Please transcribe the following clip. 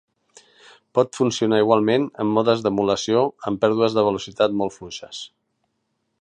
Pot funcionar igualment en modes d'emulació amb pèrdues de velocitat molt fluixes.